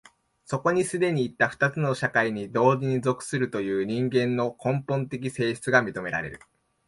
そこに既にいった二つの社会に同時に属するという人間の根本的性質が認められる。